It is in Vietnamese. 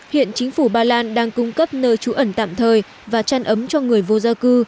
hiện chính phủ ba lan đang cung cấp nơi trú ẩn tạm thời và chăn ấm cho người vô gia cư